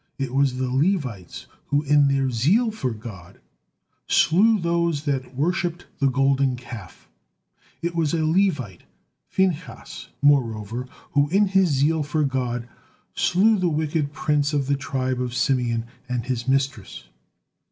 It was the Levites who, in their zeal for God, slew those that worshipped the Golden Calf; it was a Levite, Phinehas, moreover, who in his zeal for God slew the wicked prince of the tribe of Simeon, and his mistress.